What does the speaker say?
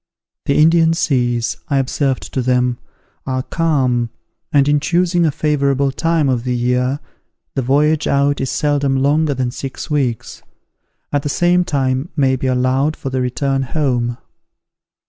"The Indian seas," I observed to them, "are calm, and, in choosing a favourable time of the year, the voyage out is seldom longer than six weeks; and the same time may be allowed for the return home.